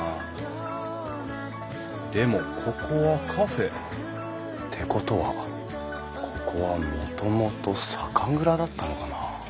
でもここはカフェってことはここはもともと酒蔵だったのかな？